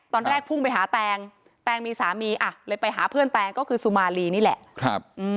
พุ่งไปหาแตงแตงมีสามีอ่ะเลยไปหาเพื่อนแตงก็คือสุมาลีนี่แหละ